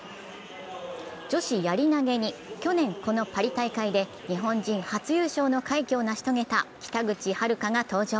女子やり投げに去年、このパリ大会で日本人初優勝の快挙を成し遂げた北口榛花が登場。